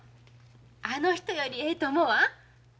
あの人よりええと思わん？